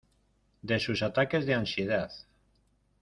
de sus ataques de ansiedad.